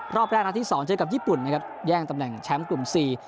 รอบแรกนัดที่สองเจอกับญี่ปุ่นนะครับแย่งตำแหน่งแชมป์กลุ่มสี่